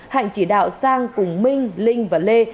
hạnh chỉ đạo sang cùng minh linh và lê